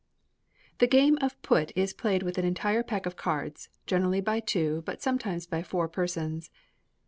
The game of Put is played with an entire pack of cards, generally by two, but sometimes by four persons.